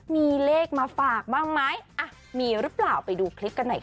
มีเลขมาฝากบ้างไหมอ่ะมีหรือเปล่าไปดูคลิปกันหน่อยค่ะ